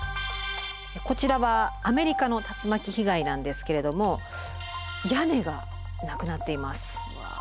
こちらはアメリカの竜巻被害なんですけれども屋根がなくなっています。